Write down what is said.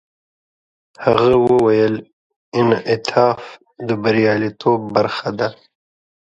هغه وویل، انعطاف د بریالیتوب برخه ده.